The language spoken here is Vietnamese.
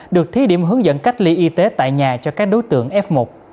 được thí điểm hướng dẫn cách ly y tế tại nhà cho các đối tượng f một